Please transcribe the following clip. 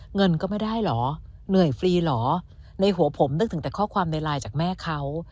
เงินก็ไม่ได้เหรอเหนื่อยฟรีเหรอในหัวผมนึกถึงแต่ข้อความในไลน์จากแม่เขา